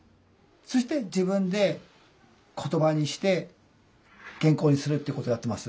そして自分で言葉にして原稿にするっていうことをやってます。